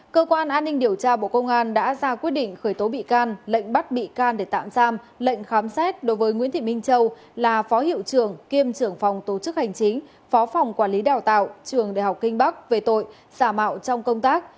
cơ quan an ninh điều tra bộ công an đã ra quyết định khởi tố bị can lệnh bắt bị can để tạm giam lệnh khám xét đối với nguyễn thị minh châu là phó hiệu trưởng kiêm trưởng phòng tổ chức hành chính phó phòng quản lý đào tạo trường đại học kinh bắc về tội xả mạo trong công tác